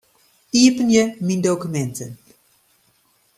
Iepenje Myn dokuminten.